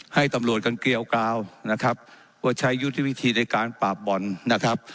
ให้ตำรวจกันเกลียวกราวนะครับว่าใช้ยุทธวิธีในการปราบบ่อนนะครับ